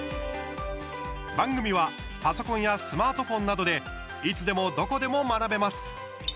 番組はパソコンやスマートフォンなどでいつでもどこでも学べます。